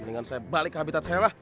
mendingan saya balik ke habitat saya lah